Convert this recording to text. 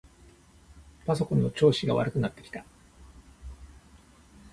パソコンの調子が悪くなってきた。